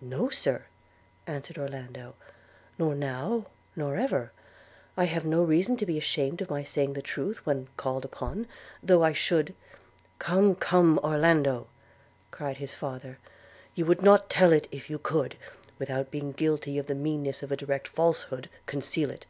'No, Sir,' answered Orlando, 'nor now, nor ever: I have no reason to be ashamed of saying the truth, when called upon – though I should –' 'Come, come, Orlando!' cried his father; 'you would not tell it, if you could, without being guilty of the meanness of a direct falsehood, conceal it.